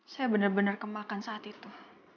saya bener bener kemakan saat itu